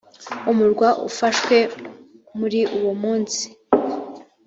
umurwa ufashwe muri uwo munsi .